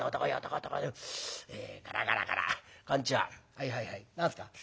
「はいはいはい何すか？」。